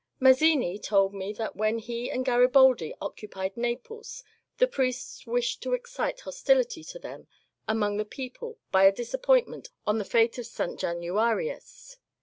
Mazzini told me that when he and Garibaldi occupied Naples the priests wished to excite hostility to them among the people by a disappointment on the fSte of St. Januarius.